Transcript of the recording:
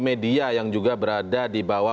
media yang juga berada di bawah